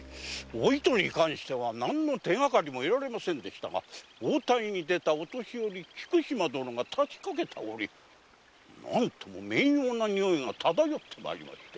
お糸に関しては何の手がかりも得られませんでしたが応対に出た御年寄・菊島殿が立ちかけたおり何とも面妖な匂いが漂ってまいりまして。